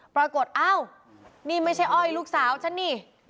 ปรากฏอ้าวนี่ไม่ใช่อ้อยลูกสาวฉันนี่